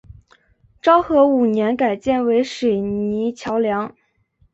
昭和五年改建为水泥桥梁。